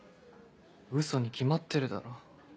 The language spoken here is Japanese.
ウソに決まってるだろ。